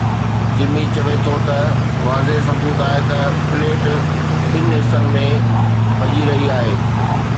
جمي چوي ٿو ته واضح ثبوت آهي ته پليٽ ٻن حصن ۾ ڀڃي رهي آهي.